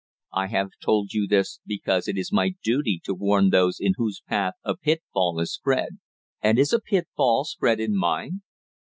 "I have told you this because it is my duty to warn those in whose path a pitfall is spread." "And is a pitfall spread in mine?"